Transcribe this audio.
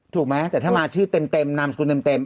ถูกไหมแต่ถ้ามาชื่อเต็มนามสกุลเต็ม